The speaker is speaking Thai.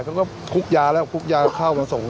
เขาก็ลุกไว้ปุ๊บหัวแล้วคุกยาให้มาส่ง